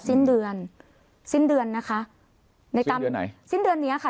สิ้นเดือนสิ้นเดือนนะคะในตามเดือนไหนสิ้นเดือนเนี้ยค่ะ